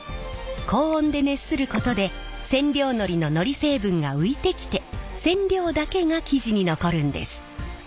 高温で熱することで染料のりののり成分が浮いてきて染料だけが生地に残るんです。